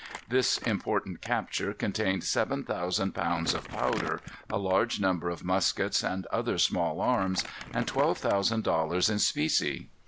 This important capture contained seven thousand pounds of powder, a large number of muskets and other small arms, and twelve thousand dollars in specie.